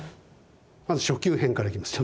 まず初級編からいきます。